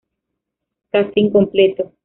Casting Completo